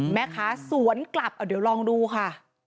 แม่ค้าสวนกลับเดี๋ยวลองดูค่ะ